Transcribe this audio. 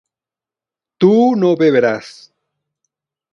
tú no beberás